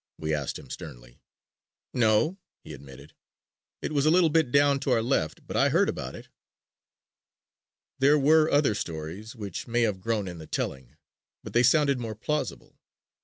we asked him sternly. "No," he admitted, "it was a little bit down to our left but I heard about it." There were other stories which may have grown in the telling, but they sounded more plausible.